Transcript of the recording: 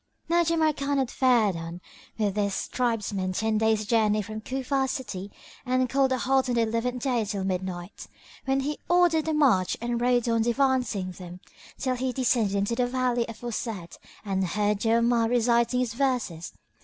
Now Jamrkan had fared on with his tribesmen ten days' journey from Cufa city and called a halt on the eleventh day till midnight, when he ordered a march and rode on devancing them till he descended into the valley aforesaid and heard Jawamard reciting his verses.